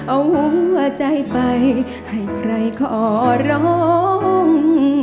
เอาหัวใจไปให้ใครขอร้อง